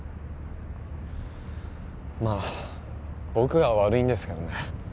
まあ僕が悪いんですけどね